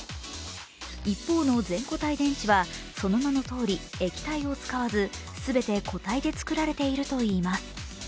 一方の全固体電池はその名のとおり液体を使わず、全て固体で作られているといいます。